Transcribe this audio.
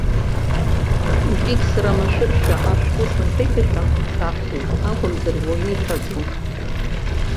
Убригь сара машәыршәа ашәҟәы сымԥыхьашәан, саԥхьеит акәымзар, уаҩы иҳәаӡом.